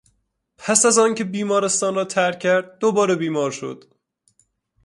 پس از اینکه بیمارستان را ترک کرد دوباره بیمار شد.